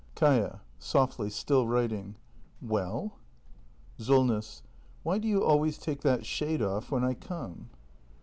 Kaia. [Softly, still writing.] Well ? Solness. Why do you always take that shade off when I come